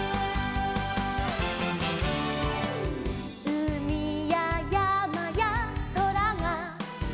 「うみややまやそらが」